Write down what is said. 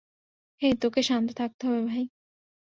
হেই, তোকে শান্ত থাকতে হবে, ভাই।